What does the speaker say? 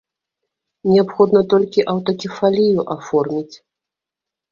Неабходна толькі аўтакефалію аформіць.